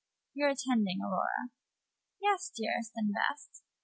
"You're attending, Aurora?" "Yes, dearest and best."